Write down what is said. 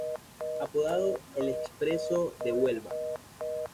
Apodado: "El expreso de Huelva".